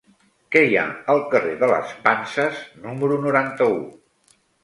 Què hi ha al carrer de les Panses número noranta-u?